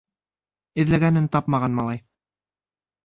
Эҙләгәнен тапмаған малай: